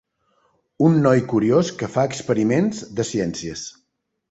Un noi curiós que fa experiments de ciències.